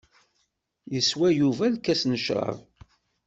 Yeswa Yuba lkas n ccrab.